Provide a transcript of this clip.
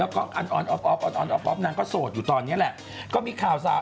แล้วก็ออนออฟออนออฟนางก็โสดอยู่ตอนนี้แหละก็มีข่าวสาว